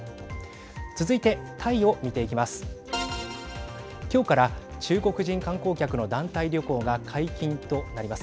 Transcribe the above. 続いてタイを見ていきます。